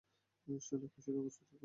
শালা, খুশির অশ্রুর কথা শুনেছিলাম।